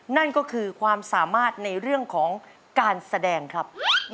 นั่นก็คือความสามารถในเรื่องของการแสดงครับ